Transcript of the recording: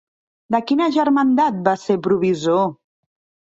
De quina germandat va ser provisor?